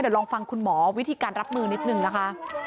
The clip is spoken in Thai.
เดี๋ยวลองฟังคุณหมอวิธีการรับมือนิดนึงนะคะ